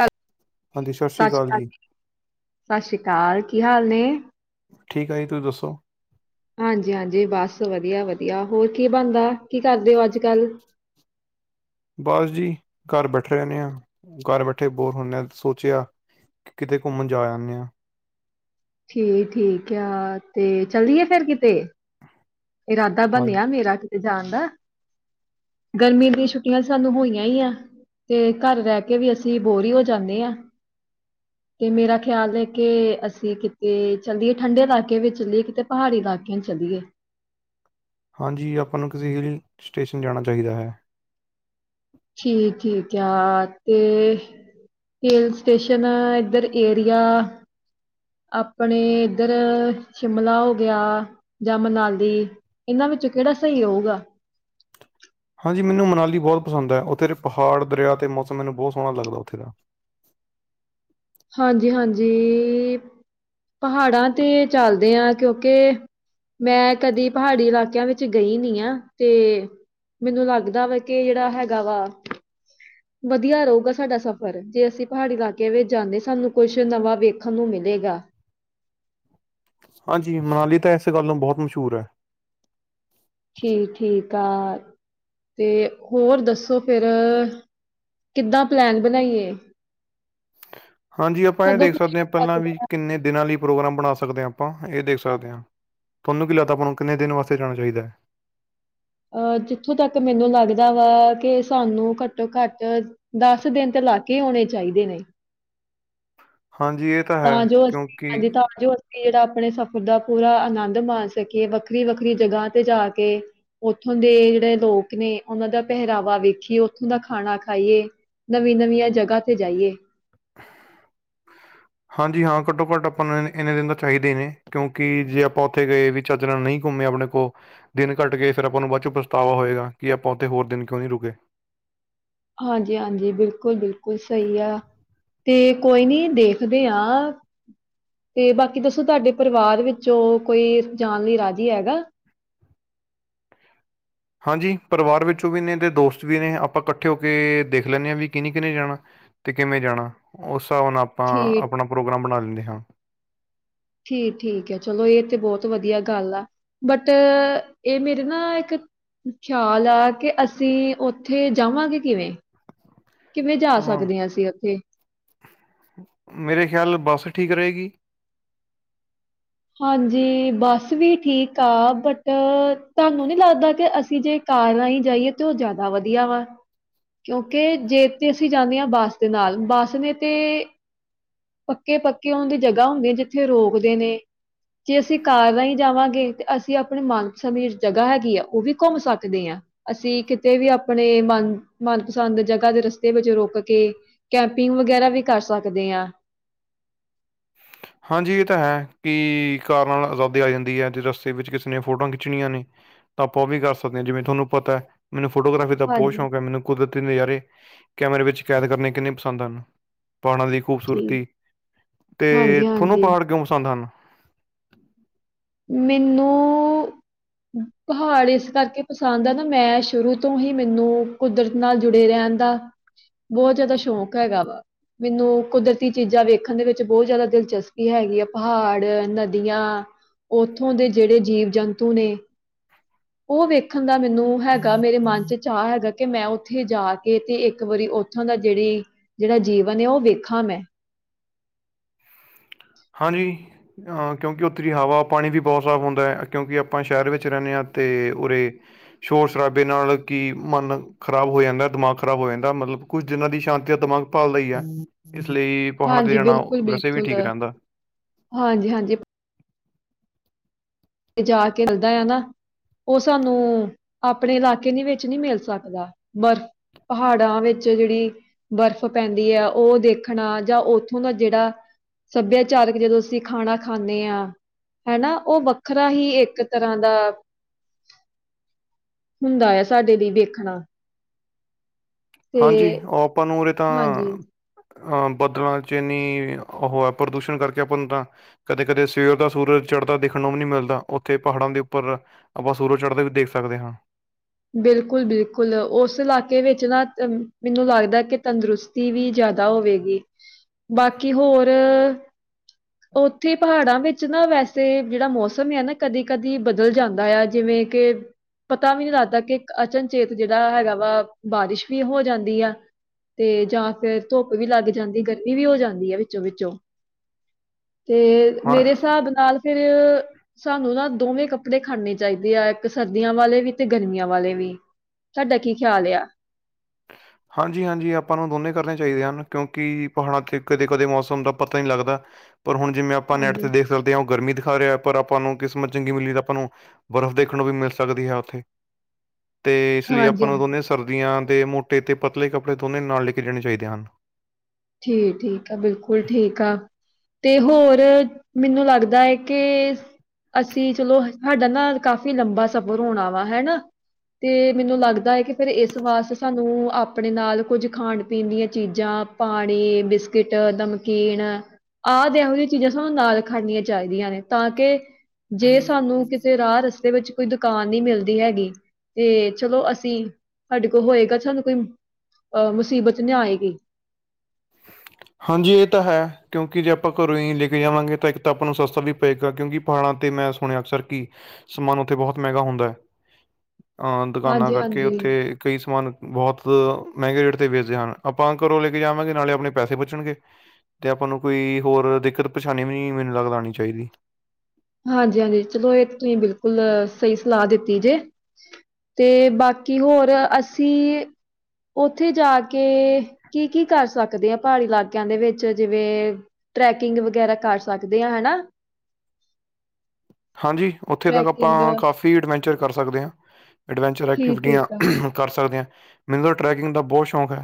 Hello, ਸਤਿ ਸ਼੍ਰੀ ਅਕਾਲ, ਸਤਿ ਸ਼੍ਰੀ ਅਕਾਲ ਕੀ ਹਾਲ ਨੇ? ਠੀਕ ਆ ਜੀ ਤੁਸੀਂ ਦੱਸੋ? ਹਾਂਜੀ- ਹਾਂਜੀ ਬਸ ਵਧੀਆ- ਵਧੀਆ ਹੋਰ ਕੀ ਬਣਦਾ ਕੀ ਕਰਦੇ ਹੋ ਅੱਜ -ਕੱਲ? ਬਸ ਜੀ ਘਰ ਬੈਠੇ ਰਹਿੰਣੇ ਆਾ ਘਰ ਬੈਠੇ ਬੋਰ ਹੁੰਣੇ ਆ ਸੋਚਿਆ। ਕਿਤੇ ਘੁੰਮਣ ਜਾ ਆਨੇ ਆਂ। ਠੀ ਠੀਕ ਆ ਤੇ ਚੱਲੀਏ ਫੇਰ ਕਿਤੇ? ਇਰਾਦਾ ਹਾਂ ਬਣਿਆ ਮੇਰਾ ਕਿਤੇ ਜਾਣ ਦਾ। ਗਰਮੀ ਦੀਆਂ ਛੁੱਟੀਆਂ ਸਾਨੂੰ ਹੋਈਆਂ ਹੀ ਆ। ਤੇ ਘਰ ਰਹਿ ਕੇ ਵੀ ਅਸੀਂ ਬੋਰ ਹੀ ਹੋ ਜਾਂਦੇ ਆਂ। ਤੇ ਮੇਰਾ ਖਿਆਲ ਹੈ ਕਿ ਅਸੀਂ ਕਿਤੇ ਚੱਲੀਏ ਠੰਡੇ ਇਲਾਕੇ ਵਿੱਚ ਚੱਲੀਏ ਕਿਤੇ ਪਹਾੜੀ ਇਲਾਕਿਆਂ ਚਲੀਏ। ਹਾਂਜੀ ਆਪਾਂ ਨੂੰ ਕਿਸੇ ਹਿਲ ਸਟੇਸ਼ਨ ਜਾਣਾ ਚਾਹੀਦਾ ਹੈ। ਠੀਕ ਕਿਆ ਤੇ। ਹਿਲ ਸਟੇਸ਼ਨ ਇੱਧਰ ਏਰੀਆ। ਆਪਣੇ ਇੱਧਰ ਸ਼ਿਮਲਾ ਹੋ ਗਿਆ ਜਾਂ ਮਨਾਲੀ। ਇਹਨਾਂ ਵਿੱਚੋਂ ਕਿਹੜਾ ਸਹੀ ਹੋਊਗਾ। ਹਾਂਜੀ ਮੈਨੂੰ ਮਨਾਲੀ ਬਹੁਤ ਪਸੰਦ ਆ। ਉਥੇ ਪਹਾੜ ਦਰਿਆ ਅਤੇ ਮੌਸਮ ਮੈਨੂੰ ਬਹੁਤ ਸੋਹਣਾ ਲੱਗਦਾ ਉੱਥੇ ਦਾ। ਹਾਂਜੀ - ਹਾਂਜੀ ਪਹਾੜਾਂ ਤੇ ਚੱਲਦੇ ਆ ਕਿਉਂਕਿ ਮੈਂ ਕਦੀ ਪਹਾੜੀ ਇਲਾਕਿਆਂ ਵਿੱਚ ਗਈ ਨੀ ਆ ਤੇ ਮੈਨੂੰ ਲੱਗਦਾ ਵਾ ਕਿ ਜਿਹੜਾ ਹੈਗਾ ਵਾ। ਵਧੀਆ ਰਹੋ ਗਾ ਸਾਡਾ ਸਫ਼ਰ ਜੇ ਅਸੀਂ ਪਹਾੜੀ ਇਲਾਕਿਆਂ ਵਿੱਚ ਜਾਂਦੇ ਸ- ਸਾਨੂੰ ਕੁਛ ਨਵਾਂ ਵੇਖਣ ਨੂੰ ਮਿਲੇਗਾ। ਹਾਂਜੀ ਮਨਾਲੀ ਤਾਂ ਇਸ ਗੱਲ ਨੂੰ ਬਹੁਤ ਮਸ਼ਹੂਰ ਐ। ਠੀਕ - ਠੀਕ ਆ ਤੇ ਹੋਰ ਦੱਸੋ ਫਿਰ? ਕਿੱਦਾਂ ਪਲੈਨ ਬਣਾਈਏ। ਹਾਂਜੀ ਆਪਾਂ ਇਹ ਕਦੋਂ ਦੇਖ ਕੁ ਸਕਦੇ ਹਾਂ। ਜਾ ਪਹਿਲਾਂ ਵੀ ਕਿੰਨੇ ਦਿਨਾਂ ਲਈ ਪ੍ਰੋਗਰਾਮ ਬਣਾ ਸਕਦੇ ਹਾਂ, ਆਪਾਂ ਇਹ ਦੇਖ ਸਕਦੇ ਹਾਂ। ਥੋਨੂੰ ਕੀ ਲੱਗਦਾ ਆਪਾਂ ਨੂੰ ਕਿੰਨੇ ਦਿਨ ਵਾਸਤੇ ਜਾਣਾ ਚਹੀਦਾ ਐ। ਅਹ ਜਿੱਥੋਂ ਤੱਕ ਮੈਨੂੰ ਲੱਗਦਾ ਵਾ ਕਿ ਸਾਨੂੰ ਘੱਟੋ - ਘੱਟ ਦਸ ਦਿਨ ਤੇ ਲਾਕੇ ਆਉਣੇ ਚਾਹੀਦੇ ਨੇ। ਹਾਂਜੀ ਇਹ‌ ਤਾਂ ਜੋ ਅਸੀ ਹਾਂਜੀ ਤਾਂ ਜੋ ਕਿ ਜਿਹੜਾ ਆਪਣੇ ਸਫ਼ਰ ਦਾ ਪੂਰਾ ਆਨੰਦ ਮਾਣ ਸਕੀਏ ਵੱਖਰੀ - ਵੱਖਰੀ ਜਗ੍ਹਾ ਤੇ ਜਾ ਕੇ। ਉੱਥੋਂ ਦੇ ਜਿਹੜੇ ਲੋਕ ਨੇ ਉਹਨਾਂ ਦਾ ਪਹਿਰਾਵਾ ਵੇਖੀਏ। ਉੱਥੋਂ ਦਾ ਖਾਣਾ ਖਾਈਏ। ਨਵੀਂ - ਨਵੀਆਂ ਜਗ੍ਹਾ ਤੇ ਜਾਈਏ। ਹਾਂਜੀ ਹਾਂ, ਘੱਟੋ - ਘੱਟ ਆਪਾਂ ਨੂੰ ਇਨੇ ਦਿਨ ਤਾਂ ਚਾਹੀਦੇ ਨੇ ਕਿਉਂਕਿ ਜੇ ਆਪਾਂ ਉੱਥੇ ਗਏ ਵੀ ਚੱਜ ਨਾਲ ਨਹੀਂ ਘੁੰਮੇ ਆਪਣੇ ਕੋ ਦਿਨ ਘੱਟ ਗਏ, ਫਿਰ ਆਪਾਂ ਨੂੰ ਬਾਅਦ ਚੋਂ ਪਛਤਾਵਾ ਹੋਏਗਾ, ਕਿ ਆਪਾਂ ਉੱਥੇ ਹੋਰ ਦਿਨ ਕਿਉਂ ਨਹੀਂ ਰੁਕੇ। ਹਾਂਜੀ - ਹਾਂਜੀ ਬਿਲਕੁਲ - ਬਿਲਕੁਲ ਸਹੀ ਆ। ਤੇ ਕੋਈ ਨੀ ਦੇਖਦੇ ਆ ਤੇ ਬਾਕੀ ਦੱਸੋ, ਤੁਹਾਡੇ ਪਰਿਵਾਰ ਵਿੱਚੋਂ ਕੋਈ ਜਾਣ ਲਈ ਰਾਜੀ ਹੈਗਾ। ਹਾਂਜੀ, ਪਰਿਵਾਰ ਵਿੱਚੋਂ ਵੀ ਨੇ ਤੇ ਦੋਸਤ ਵੀ ਨੇ ਆਪਾਂ ਇਕੱਠੇ ਹੋ ਕੇ ਦੇਖ ਲੈਣੇ ਹਾਂ, ਵੀ ਕਿੰਨੇ - ਕਿੰਨੇ ਜਾਣਾ। ਤੇ ਕਿਵੇਂ ਜਾਣਾ, ਉਸ ਹਿਸਾਬ ਨਾਲ ਆਪਾਂ ਠੀਕ ਆਪਣਾ ਪ੍ਰੋਗਰਾਮ ਬਣਾ ਲੈਂਦੇ ਹਾਂ। ਠੀਕ - ਠੀਕ ਹੈ, ਚਲੋ ਇਹ ਤੇ ਬਹੁਤ ਵਧੀਆ ਗੱਲ ਆ। ਬਟ, ਇਹ ਮੇਰੇ ਨਾ ਇੱਕ ਖਿਆਲ ਆ ਕਿ, ਅਸੀਂ ਉੱਥੇ ਜਾਵਾਂਗੇ ਕਿਵੇਂ? ਕਿਵੇਂ ਜਾ ਅਮ, ਸਕਦੇ ਹਾਂ ਅਸੀਂ ਉੱਥੇ? ਮੇਰੇ ਖਿਆਲ ਬੱਸ ਠੀਕ ਰਹੇਗੀ। ਹਾਂਜੀ, ਬਸ ਵੀ ਠੀਕ ਆ ਬਟ ਤੁਹਾਨੂੰ ਨਹੀ ਲੱਗਦਾ ਕਿ ਅਸੀਂ ਜੇ ਕਾਰ ਰਾ ਹੀ ਜਾਈਏ ਤੇ ਉਹ ਜ਼ਿਆਦਾ ਵਧੀਆ ਵਾ। ਕਿਉਂਕਿ ਜੇ ਤੇ ਅਸੀਂ ਜਾਂਦੇ ਹਾਂ ਬੱਸ ਦੇ ਨਾਲ ਬੱਸ ਨੇ ਤੇ ਪੱਕੇ-ਪੱਕੇ ਉਨ ਦੀ ਜਗ੍ਹਾ ਹੁੰਦੀ, ਜਿੱਥੇ ਰੋਕਦੇ ਨੇ ਜੇ ਅਸੀਂ ਕਾਰ ਰਾਹੀਂ ਜਾਵਾਂਗੇ ਤਾਂ ਅਸੀਂ ਆਪਣੇ ਮਨਪਸੰਦੀ ਜਗ੍ਹਾ ਹੈਗੀ ਆ, ਉਹ ਵੀ ਘੁੰਮ ਸਕਦੇ ਆ। ਅਸੀਂ ਕਿਤੇ ਵੀ ਆਪਣੇ ਮਨ-ਮਨਪਸੰਦ ਜਗ੍ਹਾ ਦੇ ਰਸਤੇ ਵਿੱਚ ਰੁਕ ਕੇ ਕੈਂਪਿੰਗ ਵਗੈਰਾ ਵੀ ਕਰ ਸਕਦੇ ਆ। ਹਾਂਜੀ ਇਹ ਤਾਂ ਹੈ, ਵੀ ਕਿ ਕਾਰ ਨਾਲ ਆਜ਼ਾਦੀ ਆ ਜਾਂਦੀ ਹੈ ਜੇ ਰਸਤੇ ਵਿੱਚ ਕਿਸੇ ਨੇ ਫੋਟੋਆਂ ਖਿੱਚਣੀਆਂ ਨੇ ਤਾਂ ਆਪਾਂ ਉਹ ਵੀ ਕਰ ਸਕਦੇ ਆ ਜਿਵੇਂ ਤੁਹਾਨੂੰ ਪਤਾ, ਮੈਨੂੰ ਫੋਟੋਗ੍ਰਾਫੀ ਦਾ ਬਹੁਤ ਹਾਂਜੀ ਸ਼ੌਕ ਐ। ਮੈਨੂੰ ਕੁਦਰਤੀ ਨਜ਼ਾਰੇ, ਕੈਮਰੇ ਵਿੱਚ ਕੈਦ ਕਰਨੇ ਕਿੰਨੇ ਪਸੰਦ ਹਨ। ਪਾਣਾ ਦੀ ਠੀਕ ਖੂਬਸੂਰਤੀ, ਤੇ ਹਾਂਜੀ ਤੁਹਾਨੂੰ ਹਾਂਜੀ ਪਹਾੜ ਕਿਉਂ ਪਸੰਦ ਹਨ? ਮੈਨੂੰ ਪਹਾੜ ਇਸ ਕਰਕੇ ਪਸੰਦ ਆ ਨਾ, ਮੈਂ ਸ਼ੁਰੂ ਤੋਂ ਹੀ ਮੈਨੂੰ ਕੁਦਰਤ ਨਾਲ ਜੁੜੇ ਰਹਿਣ ਦਾ, ਬਹੁਤ ਜ਼ਿਆਦਾ ਸ਼ੌਕ ਹੈਗਾ ਵਾ। ਮੈਨੂੰ ਕੁਦਰਤੀ ਚੀਜ਼ਾਂ ਵੇਖਣ ਦੇ ਵਿੱਚ ਬਹੁਤ ਜਿਆਦਾ ਦਿਲਚਸਪੀ ਹੈਗੀ ਆ, ਪਹਾੜ, ਨਦੀਆਂ ਉੱਥੋਂ ਦੇ ਜਿਹੜੇ ਜੀਵ-ਜੰਤੂ ਨੇ ਉਹ ਵੇਖਣ ਦਾ ਮੈਨੂੰ ਹੈਗਾ, ਮੇਰੇ ਮਨ 'ਚ' ਚਾਅ ਹੈਗਾ ਕਿ ਮੈਂ ਉੱਥੇ ਜਾ ਕੇ ਤੇ ਇੱਕ ਵਾਰੀ ਉੱਥੋਂ ਦਾ ਜਿਹੜੀ, ਜਿਹੜਾ ਜੀਵਨ ਆ ਉਹ ਵੇਖਾਂ ਮੈਂ। ਹਾਂਜੀ ਅਹ ਕਿਉਂਕਿ ਉੱਥੇ ਹਵਾ, ਪਾਣੀ ਵੀ ਬਹੁਤ ਸਾਫ਼ ਹੁੰਦਾ ਹੈ, ਕਿਉਂਕਿ ਆਪਾਂ ਸ਼ਹਿਰ ਵਿੱਚ ਰਹਿਣੇ ਆ ਤੇ ਉਰੇ ਸ਼ੋਰ-ਸ਼ਰਾਬੇ ਨਾਲ ਕਿ ਮਨ ਖ਼ਰਾਬ ਹੋ ਜਾਂਦਾ ਦਿਮਾਗ ਖ਼ਰਾਬ ਹੋ ਜਾਂਦਾ ਮਤਲਬ ਕੁਝ ਦਿਨਾਂ ਦੀ ਸ਼ਾਂਤੀ ਦਾ ਦਿਮਾਗ ਭਾਲਦਾ ਈ ਆ। ਇਸ ਲਈ ਪਹਾਣ ਤੇ ਹਾਂਜੀ ਜਾਣਾ, ਵੈਸੇ ਵੀ ਠੀਕ ਰਹਿੰਦਾ। ਹਾਂਜੀ-ਹਾਂਜੀ। ਤੇ ਜਾ ਕੇ ਮਿਲਦਾ ਐ ਨਾ ਉਹ ਸਾਨੂੰ, ਆਪਣੇ ਇਲਾਕੇ ਦੇ ਵਿੱਚ ਨਹੀ ਮਿਲ ਸਕਦਾ, ਬਰਫ਼ ਪਹਾੜਾਂ ਵਿੱਚ ਜਿਹੜੀ ਬਰਫ਼ ਪੈਂਦੀ ਐ ਉਹ ਦੇਖਣਾ ਜਾਂ ਉੱਥੋਂ ਦਾ ਜਿਹੜਾ ਸੱਭਿਆਚਾਰਕ ਜਦੋਂ ਅਸੀਂ ਖਾਣਾ ਖਾਣੇ ਆ ਹੈ ਨਾ ਉਹ ਵੱਖਰਾ ਹੀ ਇੱਕ ਤਰ੍ਹਾਂ ਦਾ ਹੁੰਦਾ ਆ ਸਾਡੇ ਲਈ ਵੇਖਣਾ। ਤੇ ਹਾਂਜੀ, ਉਹ ਆਪਾਂ ਨੂੰ ਉਰੇ ਤਾਂ, ਹਾਂਜੀ ਅ ਬਦਲਾਂ 'ਚ' ਇੰਨੀ ਉਹ ਆ ਪ੍ਰਦੂਸ਼ਣ ਕਰਕੇ ਆਪਾਂ ਨੂੰ ਤਾਂ ਕਦੇ-ਕਦੇ ਸਵੇਰ ਦਾ ਸੂਰਜ ਚੜ੍ਹਦਾ ਦੇਖਣ ਨੂੰ ਵੀ ਨਹੀਂ ਮਿਲਦਾ। ਉੱਥੇ ਪਹਾੜਾਂ ਦੇ ਉੱਪਰ ਆਪਾਂ ਸੂਰਜ ਚੜ੍ਹਦਾ ਵੀ ਦੇਖ ਸਕਦੇ ਹਾਂ। ਬਿਲਕੁਲ-ਬਿਲਕੁਲ ਉਸ ਇਲਾਕੇ ਵਿੱਚ ਨਾ ਅ ਮੈਨੂੰ ਲੱਗਦਾ ਕਿ ਤੰਦਰੁਸਤ ਟੀ ਵੀ ਜ਼ਿਆਦਾ ਹੋਵੇਗੀ, ਬਾਕੀ ਹੋਰ ਉੱਥੇ ਪਹਾੜਾਂ ਵਿੱਚ ਨਾ ਵੈਸੇ ਜਿਹੜਾ ਮੌਸਮ ਆ ਨਾ ਕਦੀ ਕਦੀ ਬਦਲ ਜਾਂਦਾ ਆ ਜਿਵੇਂ ਕਿ ਪਤਾ ਵੀ ਨਹੀਂ ਲੱਗਦਾ ਕਿ ਅਚਨਚੇਤ ਜਿਹੜਾ ਹੈਗਾ ਵਾ ਬਾਰਿਸ਼ ਵੀ ਹੋ ਜਾਂਦੀ ਆ। ਤੇ ਜਾਂ ਫਿਰ ਧੁੱਪ ਵੀ ਲੱਗ ਜਾਂਦੀ। ਗਰਮੀ ਵੀ ਹੋ ਜਾਂਦੀ ਐ ਵਿੱਚੋਂ-ਵਿੱਚੋਂ। ਤੇ ਹਾਂ ਮੇਰੇ ਹਿਸਾਬ ਨਾਲ ਫਿਰ ਸਾਨੂੰ ਨਾ ਦੋਵੇਂ ਕੱਪੜੇ ਖੜਨੇ ਚਾਹੀਦੇ ਆ। ਇੱਕ ਸਰਦੀਆਂ ਵਾਲੇ ਵੀ ਤੇ ਗਰਮੀਆਂ ਵਾਲੇ ਵੀ। ਤੁਹਾਡਾ ਕੀ ਖਿਆਲ ਐ। [inaudible] ਹਾਂਜੀ-ਹਾਂਜੀ, ਆਪਾਂ ਨੂੰ ਦੋਨੇ ਕਰਨੇ ਚਾਹੀਦੇ ਹਨ ਕਿਉਂਕਿ ਪਹਾੜਾਂ 'ਚ' ਕਦੇ -ਕਦੇ ਮੌਸਮ ਦਾ ਪਤਾ ਨੀ ਲੱਗਦਾ। ਪਰ ਹੁਣ ਜਿਵੇਂ ਆਪਾਂ ਨੈੱਟ ਹਾਂਜੀ 'ਤੇ ਦੇਖ ਸਕਦੇ ਆ। ਉਹ ਗਰਮੀ ਦਿਖਾ ਰਿਹਾ ਪਰ ਆਪਾਂ ਨੂੰ ਕਿਸਮਤ ਚੰਗੀ ਮਿਲੀ ਤਾਂ ਆਪਾਂ ਨੂੰ ਬਰਫ਼ ਦੇਖਣ ਨੂੰ ਵੀ ਮਿਲ ਸਕਦੀ ਏ ਉੱਥੇ ਤੇ ਇਸ ਲਈ ਹਾਂਜੀ ਆਪਾਂ ਹਾਂ ਨੂੰ ਦੋਨੇ ਸਰਦੀਆਂ ਦੇ ਮੋਟੇ ਤੇ ਪਤਲੇ ਕੱਪੜੇ ਦੋਨੇ ਨਾਲ ਲੈ ਕੇ ਜਾਣੇ ਚਾਹੀਦੇ ਹਨ। ਠੀਕ- ਠੀਕ ਆ। ਬਿਲਕੁਲ ਠੀਕ ਆ। ਤੇ ਹੋਰ ਮੈਨੂੰ ਲੱਗਦਾ ਏ ਕੇ ਅਸੀਂ ਚਲੋ ਸਾਡਾ ਨਾ ਕਾਫ਼ੀ ਲੰਬਾ ਸਫ਼ਰ ਹੋਣਾ ਵਾ ਹਨਾ। ਤੇ ਮੈਨੂੰ ਲੱਗਦਾ ਏ। ਕਿ ਫਿਰ ਇਸ ਵਾਸਤੇ ਸਾਨੂੰ ਆਪਣੇ ਨਾਲ ਕੁੱਝ ਖਾਣ ਪੀਣ ਦੀਆਂ ਚੀਜ਼ਾਂ ਪਾਣੀ, ਬਿਸਕਿਟ, ਨਮਕੀਨ ਆਦਿ ਇਹੋ ਜੀਆਂ ਚੀਜਾਂ ਸਾਨੂੰ ਨਾਲ ਰਖੱਨੀਆ ਚਾਹੀਦੀਆਂ ਨੇ। ਤਾਂ ਕੇ ਜੇ ਸਾਨੂੰ ਕਿਸੇ ਰਾਹ - ਰਸਤੇ ਵਿੱਚ ਕੋਈ ਦੁਕਾਨ ਨੀ ਮਿਲਦੀ ਹੈਗੀ। ਤੇ ਚਲੋ ਅਸੀਂ ਸਾਡੇ ਕੋਲ ਹੋਏਗਾ ਸਾਨੂੰ ਕੋਈ ਅਹ ਮੁਸੀਬਤ ਨੀ ਆਏਗੀ। ਹਾਂਜੀ, ਇਹ ਤਾਂ ਹੈ ਕਿਉਂਕਿ ਜੇ ਆਪਾਂ ਘਰੋਂ ਈ ਲੈ ਕੇ ਜਾਵਾਂਗੇ ਤਾਂ ਇੱਕ ਤਾਂ ਆਪਾਂ ਨੂੰ ਸਸਤਾ ਵੀ ਪਏਗਾ। ਕਿਉਂਕਿ ਪਹਾੜਾਂ ਤੇ ਮੈਂ ਸੁਣਿਆ ਅਕਸਰ ਕਿ ਸਮਾਨ ਉੱਥੇ ਬਹੁਤ ਮਹਿੰਗਾ ਹੁੰਦਾ ਆ। ਆ ਦੁਕਾਨਾਂ ਹਾਂਜੀ ਕਰਕੇ ਹਾਂਜੀ ਉੱਥੇ ਕਈ ਸਮਾਨ ਬਹੁਤ ਮਹਿੰਗੇ ਰੇਟ ਤੇ ਵੇਚਦੇ ਹਨ। ਆਪਾਂ ਘਰੋਂ ਲੈ ਕੇ ਜਾਵਾਂਗੇ ਨਾਲੇ ਆਪ ਆਪਣੇ ਪੈਸੇ ਬਚਣ ਗੇ। ਤੇ ਆਪਾਂ ਨੂੰ ਕੋਈ ਹੋਰ ਦਿੱਕਤ ਪਰੇਸਾਨੀ ਨੀ ਮੈਨੂੰ ਲੱਗਦਾ ਆਣੀ ਚਾਹੀਦੀ। ਹਾਂਜੀ- ਹਾਂਜੀ, ਚਲੋ ਇਹ ਤੁਸੀਂ ਬਿਲਕੁਲ ਸਹੀ ਸਲਾਹ ਦਿੱਤੀ ਜੇ। ਤੇ ਬਾਕੀ ਹੋਰ ਅਸੀਂ ਉਥੇ ਜਾ ਕੇ ਕੀ- ਕੀ ਕਰ ਸਕਦੇ ਆ। ਪਹਾੜੀ ਇਲਾਕਿਆਂ ਦੇ ਵਿੱਚ ਜਿਵੇਂ ਟਰੈਕਿੰਗ ਵਗੈਰਾ ਕਰ ਸਕਦੇ ਆ ਹਨਾ। ਹਾਂਜੀ, ਉੱਥੇ ਤ ਟਰੈਕਿੰਗ ਆਪਾਂ ਕਾਫੀ ਅਡਵੈਂਚਰ ਕਰ ਸਕਦੇ ਆਂ। ਐਡਵੈਂਚਰ, ਐਕਟੀਵਿਟੀਆਂ ਠੀਕ-ਠੀਕ ਆ ਕਰ ਸਕਦੇ ਆ। ਮੈਨੂੰ ਤਾ ਟਰੈਕਿੰਗ ਦਾ ਬਹੁਤ ਸ਼ੌਕ ਐ।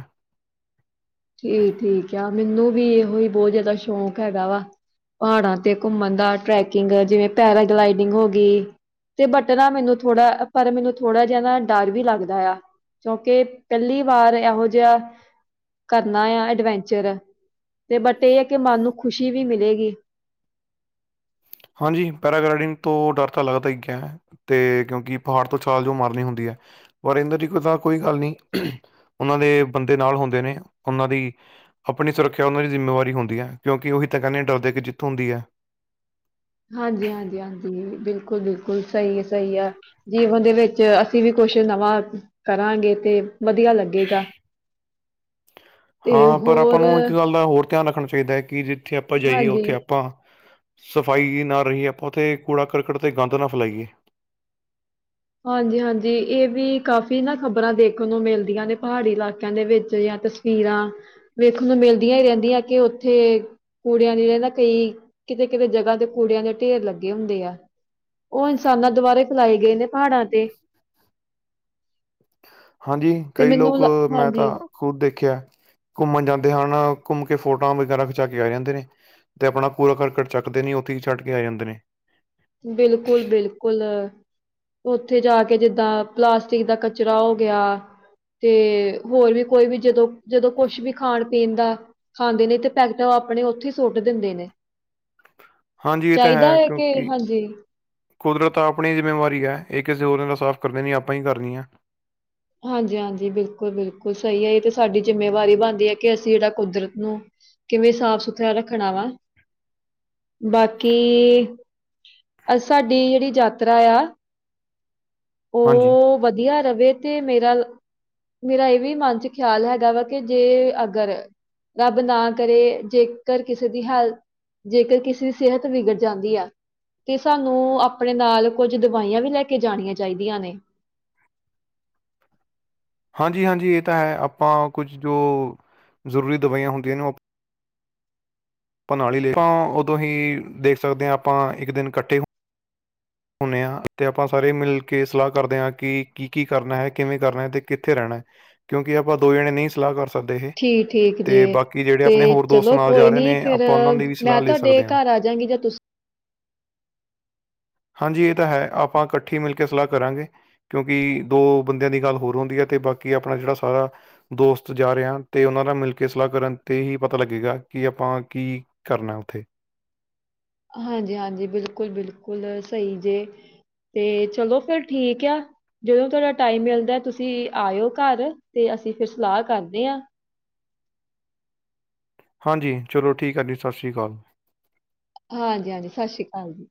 ਠੀਕ - ਠੀਕ ਆ। ਮੈਨੂੰ ਵੀ ਇਹੋ ਹੀ ਬਹੁਤ ਜਿਆਦਾ ਸ਼ੌਕ ਹੈਗਾ ਵਾ। ਪਹਾੜਾਂ ਤੇ ਘੁੰਮਣ ਦਾ ਟ੍ਰੈਕਿੰਗ ਜਿਵੇਂ ਪੈਰਾਗਲਾਈਡਿੰਗ ਹੋ ਗਈ। ਤੇ ਬਟ ਨਾ ਮੈਨੂੰ ਥੋੜਾ ਪਰ ਮੈਨੂੰ ਥੋੜਾ ਜਿਹਾ ਨਾ ਡਰ ਵੀ ਲੱਗਦਾ ਐ। ਕਿਉਂਕਿ ਪਹਿਲੀ ਵਾਰ ਇਹੋ ਜਿਹਾ ਕਰਨਾ ਐਂ ਐਡਵੈਂਚਰ। ਤੇ ਬਟ ਇਹ ਐ ਕਿ ਮਨ ਨੂੰ ਖੁਸ਼ੀ ਵੀ ਮਿਲੇਗੀ। ਹਾਂਜੀ, ਪੈਰਾਗਲਾਈਡਿੰਗ ਤੋਂ ਡਰ ਤਾਂ ਲੱਗਦਾ ਈ ਐ। ਤੇ ਕਿਉਂਕਿ ਪਹਾੜ ਤੋਂ ਛਾਲ ਜੋ ਮਰਨੀ ਹੁੰਦੀ ਐ। ਪਰ ਇੰਦਰ ਜੀ ਕੋ ਤਾਂ ਕੋਈ ਗੱਲ ਨੀ, ਉਹਨਾਂ ਦੇ ਬੰਦੇ ਨਾਲ ਹੁੰਦੇ ਨੇ। ਉਹਨਾਂ ਦੀ ਆਪਣੀ ਸੁਰੱਖਿਆ ਉਹਨਾਂ ਦੀ ਜ਼ਿੰਮੇਵਾਰੀ ਹੁੰਦੀ ਐ। ਕਿਉਂਕਿ ਉਹੀ ਤਾਂ ਕਹਿੰਦੇ ਆ ਡਰ ਦੇ ਅੱਗੇ ਜਿੱਤ ਹੁੰਦੀ ਐ। ਹਾਂਜੀ- ਹਾਂਜੀ ਹਾਂਜੀ ਬਿਲਕੁਲ ਬਿਲਕੁਲ -ਬਿਲਕੁਲ ਸਹੀ ਆ ਸਹੀ ਆ। ਜੀਵਨ ਦੇ ਵਿੱਚ ਅਸੀਂ ਵੀ ਕੁਛ ਨਵਾਂ ਕਰਾਂਗੇ। ਤੇ ਵਧੀਆ ਲੱਗੇਗਾ। ਤੇ ਹਾਂ ਪਰ ਆਪਾਂ ਹੋਰ ਨੂੰ ਇੱਕ ਗੱਲ ਦਾ ਹੋਰ ਧਿਆਨ ਰੱਖਣਾ ਚਾਹੀਦਾ। ਕਿ ਜਿੱਥੇ ਆਪਾਂ ਜਾਈਏ ਹਾਂਜੀ, ਉੱਥੇ ਆਪਾਂ ਸਫਾਈ ਜਾ ਨਾ ਰਹੀਏ ਆਪਾਂ ਉੱਥੇ ਕੂੜਾ ਕਰਕਟ ਤੇ ਗੰਦ ਨਾ ਫੈਲਾਈ ਐ। ਹਾਂਜੀ ਹਾਂਜੀ। ਇਹ ਵੀ ਕਾਫ਼ੀ ਨਾ ਖ਼ਬਰਾਂ ਦੇਖਣ ਨੂੰ ਮਿਲਦੀਆਂ ਨੇ। ਪਹਾੜੀ ਇਲਾਕਿਆਂ ਦੇ ਵਿੱਚ ਜਾਂ ਤ ਤਸਵੀਰਾਂ ਵੇਖਣ ਨੂੰ ਮਿਲਦੀਆਂ ਹੀ ਰਹਿੰਦੀਆਂ। ਕਿ ਉੱਥੇ ਕੂੜਿਆਂ ਦੇ ਨਾ ਕਈ ਕਿਤੇ-ਕਿਤੇ ਜਗ੍ਹਾ ਤੇ ਕੂੜਿਆਂ ਦੇ ਢੇਰ ਲੱਗੇ ਹੁੰਦੇ ਆ। ਉਹ ਇਨਸਾਨਾਂ ਦੁਬਾਰੇ ਫੈਲਾਏ ਗਏ ਨੇ ਪਹਾੜਾਂ ਤੇ। ਹਾਂਜੀ, ਤੇ ਕਈ ਮੈਨੂੰ ਲੋਕ ਲ ਮੈਂ ਹਾਂਜੀ ਤਾਂ ਖੁਦ ਦੇਖਿਆ। ਘੁੰਮਣ ਜਾਂਦੇ ਹਨ। ਘੁੰਮ ਕੇ ਫੋਟੋ ਵਗੈਰਾ ਖਿਚਾ ਕੇ ਆ ਜਾਂਦੇ ਨੇ। ਤੇ ਆਪਣਾ ਕੂੜਾ ਕਰਕਟ ਚੱਕਦੇ ਨੀ। ਉੱਥੇ ਹੀ ਛੱਡ ਕੇ ਆ ਜਾਂਦੇ ਨੇ। ਬਿਲਕੁਲ ਬਿਲਕੁਲ। ਉੱਥੇ ਜਾ ਕੇ ਜਿੱਦਾਂ ਪਲਾਸਟਿਕ ਦਾ ਕਚਰਾ ਹੋ ਗਿਆ। ਤੇ ਹੋਰ ਵੀ ਕੋਈ ਵੀ ਜਦੋਂ ਜਦੋਂ ਕੁਛ ਵੀ ਖਾਣ ਪੀਣ ਦਾ ਖਾਂਦੇ ਨੇ ਤੇ ਪੈਕਟਾਂ ਆਪਣੇ ਉੱਥੇ ਸੁੱਟ ਦਿੰਦੇ ਨੇ। ਹਾਂਜੀ ਇਹ ਤਾਂ ਚਾਹੀਦਾ ਹੈ ਏ ਕਿ ਕਿਉਂਕਿ ਹਾਂਜੀ। ਕੁਦਰਤ ਤਾਂ ਆਪਣੀ ਜ਼ਿੰਮੇਵਾਰੀ ਏ। ਇਹ ਕਿਸੇ ਹੋਰ ਨਾਲ ਸਾਫ਼ ਕਰਦੇ ਨਹੀਂ ਆਪਾਂ ਹੀ ਕਰਨੀ ਆ। ਹਾਂਜੀ ਹਾਂਜੀ। ਬਿਲਕੁਲ ਬਿਲਕੁਲ ਸਹੀ ਹੈ। ਇਹ ਤੇ ਸਾਡੀ ਜਿੰਮੇਵਾਰੀ ਬਣਦੀ ਹੈ ਕਿ ਅਸੀਂ ਜਿਹੜਾ ਕੁਦਰਤ ਨੂੰ ਕਿਵੇਂ ਸਾਫ਼ ਸੁਥਰਾ ਰੱਖਣਾ ਵਾ। ਬਾਕੀ, ਸਾਡੀ ਜਿਹੜੀ ਯਾਤਰਾ ਆ। ਹਾਂਜੀ। ਉਹ ਵਧੀਆ ਰਵੇ ਤੇ ਮੇਰਾ ਮੇਰਾ ਇਹ ਵੀ ਮਨ ਚ ਖਿਆਲ ਹੈਗਾ ਵਾ ਕਿ ਜੇ ਅਗਰ, ਰੱਬ ਨਾ ਕਰੇ ਜੇਕਰ ਕਿਸੇ ਦੀ ਹਾਲਤ ਜੇਕਰ ਕਿਸੇ ਦੀ ਸਿਹਤ ਵਿਗੜ ਜਾਂਦੀ ਆ। ਤੇ ਸਾਨੂੰ ਆਪਣੇ ਨਾਲ ਕੁੱਝ ਦਵਾਈਆਂ ਵੀ ਲੈ ਕੇ ਜਾਣੀਆਂ ਚਾਹੀਦੀਆਂ ਨੇ। ਹਾਂਜੀ ਹਾਂਜੀ। ਇਹ ਤਾਂ ਹੈ ਆਪਾਂ ਕੁਝ ਜੋ ਜ਼ਰੂਰੀ ਦਵਾਈਆਂ ਹੁੰਦੀਆਂ ਨੇ ਆਪਾਂ ਨਾਲ ਲੀ ਆਪਾਂ ਉਦੋਂ ਹੀ ਦੇਖ ਸਕਦੇ ਹਾਂ ਆਪਾਂ ਇੱਕ ਦਿਨ ਇਕੱਠੇ ਹੁੰਦੇ ਹਾਂ ਤੇ ਆਪਾਂ ਸਾਰੇ ਮਿਲ ਕੇ ਸਲਾਹ ਕਰਦੇ ਹਾਂ ਕਿ ਕੀ-ਕੀ ਕਰਨਾ ਏ, ਕਿਵੇਂ ਕਰਨਾ ਹੈ, ਤੇ ਕਿੱਥੇ ਰਹਿਣਾ ਹੈ? ਕਿਉਂਕਿ ਆਪਾਂ ਦੋ ਜਣੇ ਨਹੀਂ ਸਲਾਹ ਸਕਦੇ ਇਹ ਠੀਕ ਠੀਕ ਤੇ ਜੇ, ਬਾਕੀ ਜਿਹੜੇ ਤੇ ਆਪਣੇ ਹੋਰ ਦੋਸਤ ਚਲੋ ਨਾਲ ਜਾ ਕੋਈ ਰਹੇ ਨੀ ਨੇ ਫਿਰ ਆਪਾਂ ਉਹਨਾਂ ਦੀ ਵੀ ਸਲਾਹ ਮੈਂ ਲੈ ਤੁਹਾਡੇ ਸਕਦੇ ਹਾਂ ਘਰ ਆ। ਜਾਂਗੇ ਜਾਂ ਤੁਸੀਂ? ਹਾਂਜੀ ਇਹ ਤਾਂ ਹੈ। ਆਪਾਂ ਇਕੱਠੀ ਮਿਲ ਕੇ ਸਲਾਹ ਕਰਾਂਗੇ। ਕਿਉਂਕਿ ਦੋ ਬੰਦਿਆਂ ਦੀ ਗੱਲ ਹੋਰ ਹੁੰਦੀ ਹੈ ਅਤੇ ਬਾਕੀ ਆਪਣਾ ਜਿਹੜਾ ਸਾਰਾ ਦੋਸਤ ਜਾ ਰਹੇ ਹਾਂ ਤੇ ਉਹਨਾਂ ਨਾਲ ਮਿਲ ਕੇ ਸਲਾਹ ਕਰਨ ਤੇ ਹੀ ਪਤਾ ਲੱਗੇਗਾ ਕਿ ਆਪਾਂ ਕੀ ਕਰਨਾ ਉੱਥੇ। ਹਾਂਜੀ ਹਾਂਜੀ। ਬਿਲਕੁਲ- ਬਿਲਕੁਲ। ਸਹੀ ਜੇ। ਤੇ ਚਲੋ ਫਿਰ ਠੀਕ ਆ। ਜਦੋਂ ਤੁਹਾਡਾ ਟਾਈਮ ਮਿਲਦਾ ਤੁਸੀਂ ਆਇਓ ਘਰ, ਤੇ ਅਸੀਂ ਫਿਰ ਸਲਾਹ ਕਰਦੇ ਆ। ਹਾਂਜੀ, ਚਲੋ ਠੀਕ ਏ ਜੀ। ਸਤਿ ਸ੍ਰੀ ਆਕਾਲ। ਹਾਂਜੀ ਹਾਂਜੀ। ਸਤਿ ਸ੍ਰੀ ਅਕਾਲ ਜੀ।